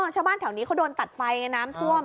ชาวบ้านแถวนี้เขาโดนตัดไฟไงน้ำท่วม